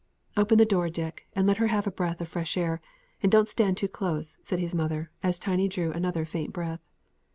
"Open the door, Dick, and let her have a breath of fresh air; and don't stand too close," said his mother, as Tiny drew another faint breath.